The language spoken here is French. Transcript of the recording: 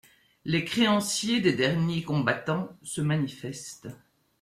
Les créanciers des derniers combattants se manifestent.